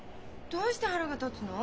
どうして腹が立つの？